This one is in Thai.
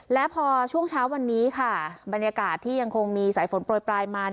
และพอช่วงเช้าวันนี้ค่ะบรรยากาศที่ยังคงมีสายฝนโปรยปลายมา